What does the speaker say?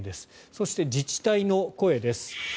そして、自治体の声です。